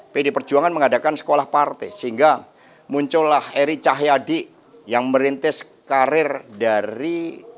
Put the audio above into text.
pd perjuangan mengadakan sekolah partai sehingga muncullah eri cahyadi yang merintis karir dari